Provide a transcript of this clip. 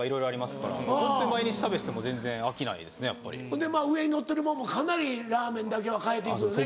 ほんで上にのってるもんもかなりラーメンだけは変えていくよね。